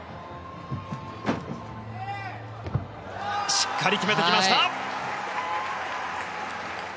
しっかり決めてきました！